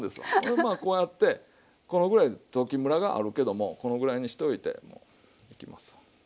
まあこうやってこのぐらい溶きむらがあるけどもこのぐらいにしといていきますわ。